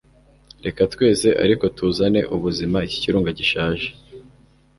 Reka twese ariko tuzane ubuzima iki kirunga gishaje